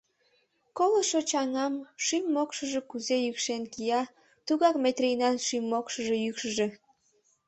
Колышо чаҥан шӱм-мокшыжо кузе йӱкшен кия, тугак Метрийынат шӱм-мокшыжо йӱкшыжӧ!